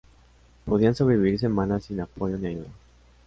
Podían sobrevivir semanas sin apoyo ni ayuda.